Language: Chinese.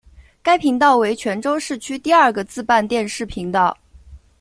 该频道为泉州市区第二个自办电视频道。